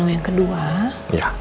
karena ini pernikahan nino yang kedua